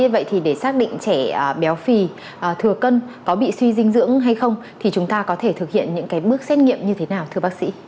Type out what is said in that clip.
vậy thì để xác định trẻ béo phì thừa cân có bị suy dinh dưỡng hay không thì chúng ta có thể thực hiện những cái bước xét nghiệm như thế nào thưa bác sĩ